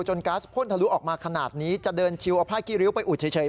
ก๊าซพ่นทะลุออกมาขนาดนี้จะเดินชิวเอาผ้ากี้ริ้วไปอุดเฉย